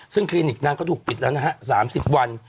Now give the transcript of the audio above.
ซึ่งคลินิกนั้นก็ถูกปิดนะนะค่ะ๓๐วัน